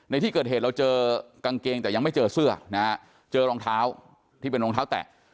ในที่เกิดเหตุเราเจอกางเกงแต่ยังไม่เจอเสื้อนะฮะเจอรองเท้าที่เป็นรองเท้าแตะ